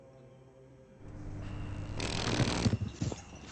یوازې په پلازمېنه مبانزا کې یې شاوخوا شپېته زره وګړي اوسېدل.